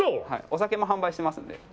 お酒も販売してますんで。